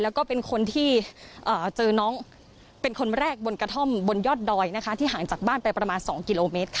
แล้วก็เป็นคนที่เจอน้องเป็นคนแรกบนกระท่อมบนยอดดอยนะคะที่ห่างจากบ้านไปประมาณ๒กิโลเมตรค่ะ